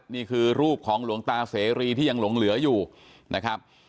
นี่คือรูปของหลวงตาเสรีที่ยังหลงเหลืออยู่นะครับ